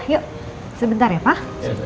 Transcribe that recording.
yuk sebentar ya pak